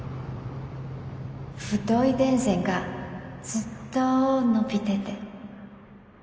太い電線がずっと延びてて。